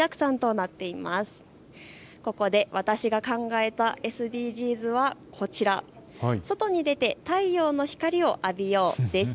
そこで私が考えたＳＤＧｓがこちら、外に出て太陽の光を浴びようです。